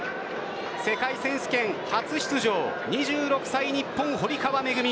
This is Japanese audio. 世界選手権初出場２６歳、日本・堀川恵。